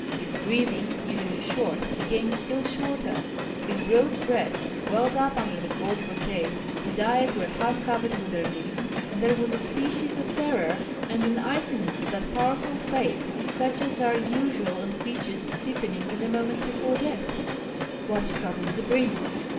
His breathing, usually short, became still shorter; his broad breast welled up under the gold brocade, his eyes were half covered with their lids, and there was a species of terror and an iciness on that powerful face such as are usual on features stiffening in the moments before death. "What troubles the prince?